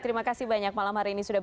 terima kasih banyak malam hari ini sudah